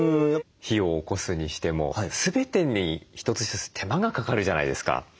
火をおこすにしても全てに一つ一つ手間がかかるじゃないですか。